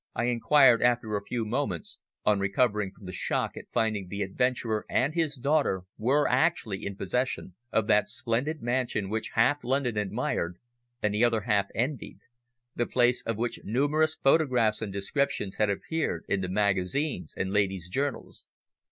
I inquired after a few moments, on recovering from the shock at finding the adventurer and his daughter were actually in possession of that splendid mansion which half London admired and the other half envied the place of which numerous photographs and descriptions had appeared in the magazines and ladies' journals.